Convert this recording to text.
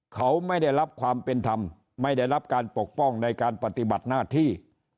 เขาไม่ได้รับความเป็นธรรมไม่ได้รับการปกป้องในการปฏิบัติหน้าที่